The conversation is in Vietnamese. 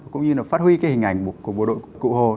cũng như là phát huy cái hình ảnh của bộ đội cụ hồ